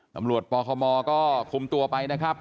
ตำรวจปคมก็คลุมตัวไปนะครับ